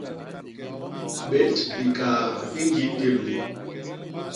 Bét bikaat i ñgii téblé.